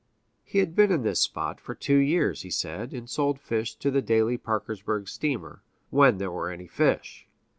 He had been in this spot for two years, he said, and sold fish to the daily Parkersburg steamer when there were any fish.